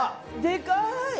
でかい！